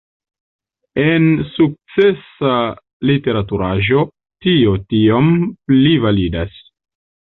En sukcesa literaturaĵo, tio tiom pli validas.